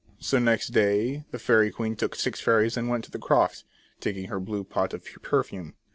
So next day the fairy queen took six fairies and went to the croft, taking her blue pot of perfume.